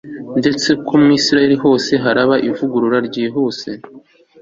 ndetse ko muri Isirayeli hose haraba ivugurura ryihuse